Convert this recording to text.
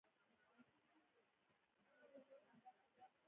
میخانیکي انجینران له صنعتي انجینرانو سره ګډ کار کوي.